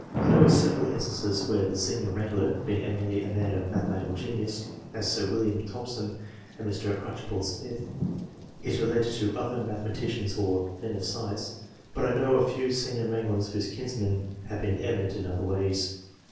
I know of several instances where the senior wrangler, being eminently a man of mathematical genius, as Sir William Thomson and MEN OF SCIENCE 191 Mr. Archibald Smith, is related to other mathematicians or men of science, but I know of few senior wranglers whose kinsmen have been eminent in other ways.